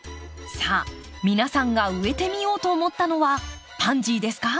さあ皆さんが植えてみようと思ったのはパンジーですか？